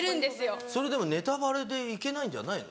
それでもネタバレでいけないんじゃないの？